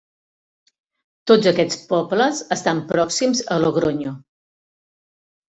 Tots aquests pobles estan pròxims a Logronyo.